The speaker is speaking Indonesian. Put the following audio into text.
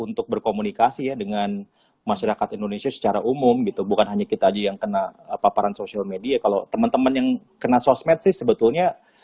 untuk berkomunikasi ya dengan masyarakat indonesia secara umum gitu bukan hanya kita aja yang kena paparan sosial media kalau teman teman yang kena sosmed sih sebetulnya